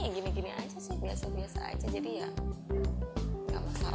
ini gini gini aja sih biasa biasa aja jadi ya gak masalah lah